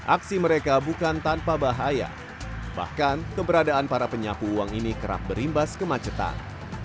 aksi mereka bukan tanpa bahaya bahkan keberadaan para penyapu uang ini kerap berimbas kemacetan